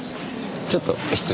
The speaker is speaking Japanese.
ちょっと失礼。